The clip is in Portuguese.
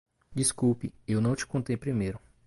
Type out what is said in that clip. Desculpe, eu não te contei primeiro.